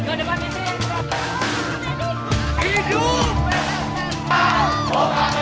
kami sangat dikawalkan